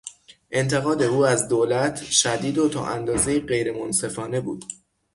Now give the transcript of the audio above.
انتقاد او از دولت شدید و تا اندازهای غیر منصفانه بود.